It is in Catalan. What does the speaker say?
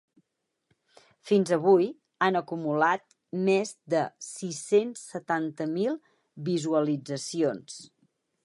Fins avui, han acumulat més de sis-cents setanta mil visualitzacions.